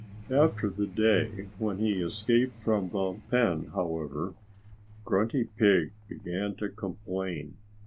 After the day when he escaped from the pen, however, Grunty Pig began to complain.